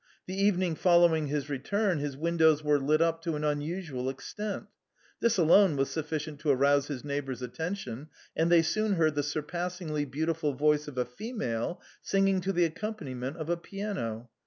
The evening following his return his windows were lit up to an unusual extent ! this alone was suffi cient to arouse his neighbours' attention, and they soon heard the surpassingly beautiful voice of a female singing to the accompaniment of a piano.